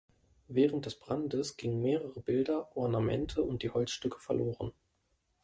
Während des Brandes gingen mehrere Bilder, Ornamente und die Holzstücke verloren.